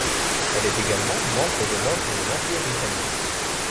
Elle est également membre de l'ordre de l'Empire britannique.